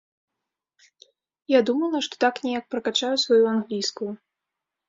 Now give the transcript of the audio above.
Я думала, што так неяк пракачаю сваю англійскую.